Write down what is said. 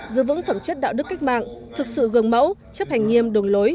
giữ vững phẩm chất đạo đức cách mạng thực sự gương mẫu chấp hành nghiêm đường lối